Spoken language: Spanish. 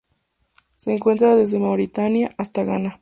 Se encuentra desde Mauritania hasta Ghana.